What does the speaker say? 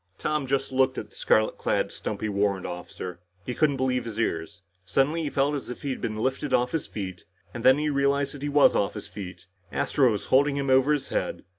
Tom just looked at the scarlet clad, stumpy warrant officer. He couldn't believe his ears. Suddenly he felt as if he had been lifted off his feet. And then he realized that he was off his feet. Astro was holding him over his head.